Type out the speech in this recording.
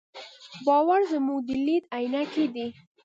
باور زموږ د لید عینکې دي.